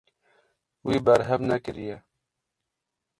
Wî berhev nekiriye.